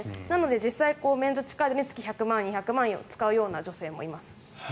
なので実際メンズ地下で月１００万、２００万使うような女性もいます。